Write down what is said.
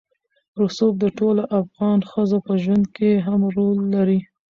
رسوب د ټولو افغان ښځو په ژوند کې هم رول لري.